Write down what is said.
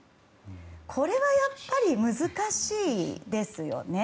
これはやっぱり難しいですよね。